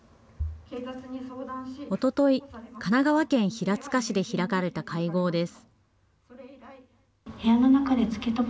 おととい、神奈川県平塚市で開かれた会合です。